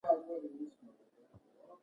بنسټیز بدلون د قدرت کارول غواړي.